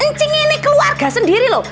kencing ini keluarga sendiri loh